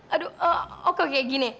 aduh oke kayak gini